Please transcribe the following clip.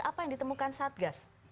apa yang ditemukan satgas